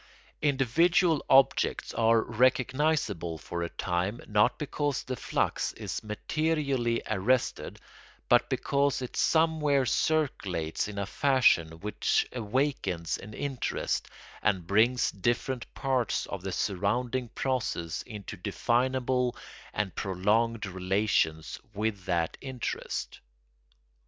Individual objects are recognisable for a time not because the flux is materially arrested but because it somewhere circulates in a fashion which awakens an interest and brings different parts of the surrounding process into definable and prolonged relations with that interest.